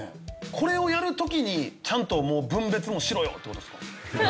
これをやる時にちゃんと分別もしろよって事ですか？